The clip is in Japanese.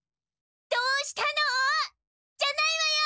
「どうしたの？」じゃないわよ！